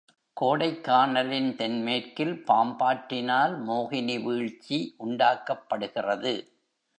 கோடைக்கானலின் தென்மேற்கில் பாம்பாற்றினால் மோகினி வீழ்ச்சி உண்டாக்கப்படுகிறது.